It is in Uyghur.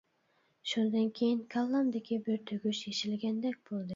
شۇندىن كېيىن كاللامدىكى بىر تۈگۈش يېشىلگەندەك بولدى.